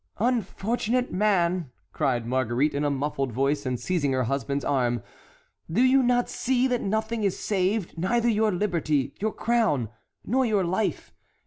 "Unfortunate man!" cried Marguerite, in a muffled voice, and seizing her husband's arm, "do you not see that nothing is saved, neither your liberty, your crown, nor your life?